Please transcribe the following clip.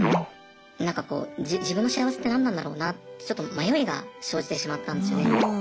なんかこう自分の幸せって何なんだろうなってちょっと迷いが生じてしまったんですよね。